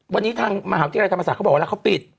วันนี้ทางมหาวิทยาลัยธรรมศาสตร์เขาบอกว่าแล้วเขาปิด